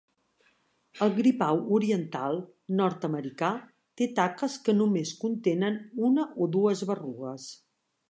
El gripau oriental nord-americà té taques que només contenen una o dues berrugues.